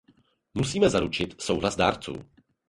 Musíme zaručit souhlas dárců.